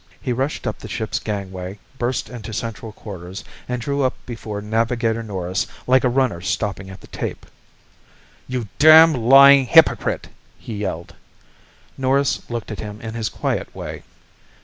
He rushed up the ship's gangway, burst into central quarters and drew up before Navigator Norris like a runner stopping at the tape. "You damned lying hypocrite!" he yelled. Norris looked at him in his quiet way.